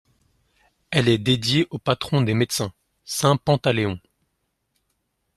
Elle est dédiée au patron des médecins, saint Pantaléon.